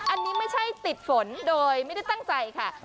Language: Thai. อันนี้ไม่ใช่ติดฝนโดยไม่ได้ตั้งใจค่ะ